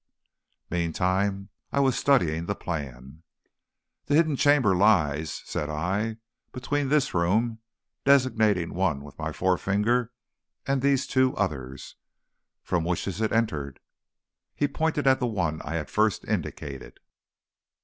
"Meantime I was studying the plan. "'The hidden chamber lies,' said I, 'between this room,' designating one with my forefinger, 'and these two others. From which is it entered?' "He pointed at the one I had first indicated.